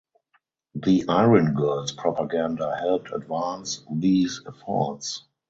The Iron Girls propaganda helped advance these efforts.